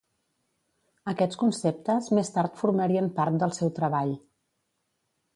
Aquests conceptes més tard formarien part del seu treball.